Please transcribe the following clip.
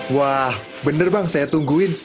wah bener bang saya tungguin